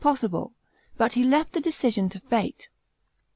21 6 possible; but he left the decision to fate.